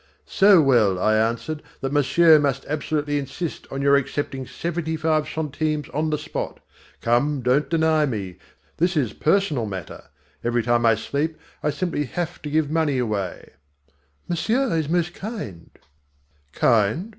"So well," I answered, "that monsieur must absolutely insist on your accepting seventy five centimes on the spot. Come, don't deny me. This is personal matter. Every time I sleep I simply have to give money away." "Monsieur is most kind." Kind?